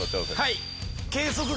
はい。